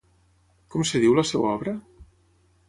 Com es diu la seva obra?